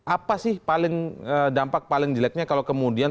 apa sih paling dampak paling jeleknya kalau kemudian